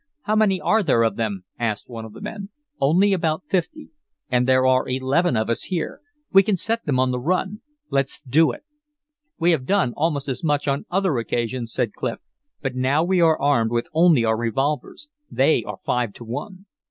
"How many are there of them?" asked one of the men. "Only about fifty." "And there are eleven of us here! We can set them on the run! Let's do it." "We have done almost as much on other occasions," said Clif, "but now we are armed with only our revolvers. They are five to one."